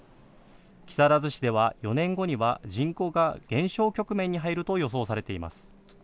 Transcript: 木更津市では４年後には人口が減少局面に入ると予想されています。